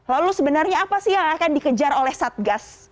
lalu sebenarnya apa sih yang akan dikejar oleh satgas